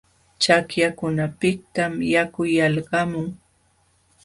Chaqyakunapiqtam yaku yalqamun.